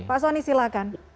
pak sonny silakan